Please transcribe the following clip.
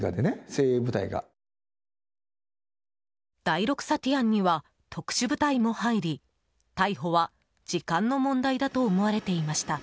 第６サティアンには特殊部隊も入り逮捕は時間の問題だと思われていました。